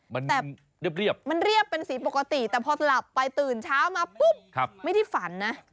มันแบบเรียบมันเรียบเป็นสีปกติแต่พอหลับไปตื่นเช้ามาปุ๊บไม่ได้ฝันนะ